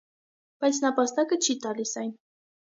Բայց նապաստակը չի տալիս այն։